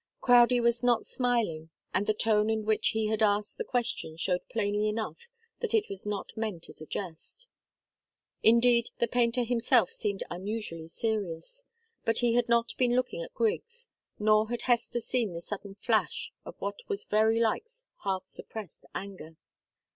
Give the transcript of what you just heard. Crowdie was not smiling, and the tone in which he had asked the question showed plainly enough that it was not meant as a jest. Indeed, the painter himself seemed unusually serious. But he had not been looking at Griggs, nor had Hester seen the sudden flash of what was very like half suppressed anger.